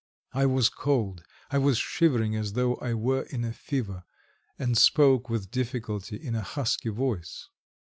I was cold, I was shivering as though I were in a fever, and spoke with difficulty in a husky voice.